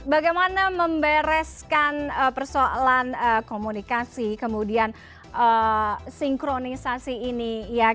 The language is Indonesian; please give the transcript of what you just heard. bagaimana membereskan persoalan komunikasi kemudian sinkronisasi ini